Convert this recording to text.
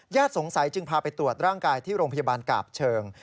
สงสัยจึงพาไปตรวจร่างกายที่โรงพยาบาลกาบเชิง